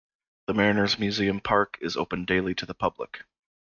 The Mariners' Museum Park is open daily to the public.